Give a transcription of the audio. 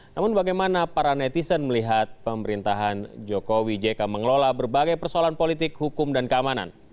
namun bagaimana para netizen melihat pemerintahan jokowi jk mengelola berbagai persoalan politik hukum dan keamanan